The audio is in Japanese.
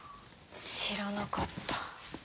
知らなかった。